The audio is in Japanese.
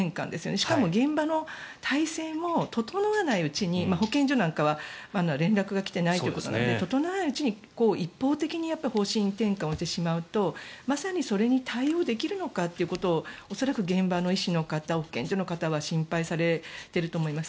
しかも、現場の体制も整わないうちに保健所なんかは、まだ連絡が来ていないということなので整わないうちに一方的に方針転換をしてしまうとまさに、それに対応できるのかということを恐らく現場の医師の方保健所の方は心配されていると思います。